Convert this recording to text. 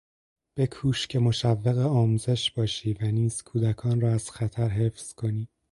بکوش که مشوق آموزش باشی و نیز کودکان را از خطر حفظ کنی.